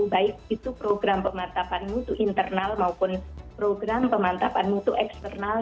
baik itu program pemantapan mutu internal maupun program pemantapan mutu eksternal